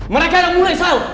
mereka yang mulai sal